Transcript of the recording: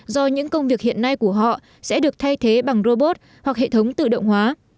do những công việc hiện nay của họ sẽ được thay thế bằng robot hoặc hệ thống tự động hóa